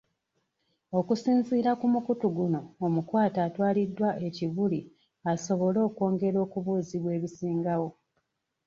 Okusinziira ku mukutu guno omukwate atwaliddwa e Kibuli asobole okwongera okubuuzibwa ebisingawo.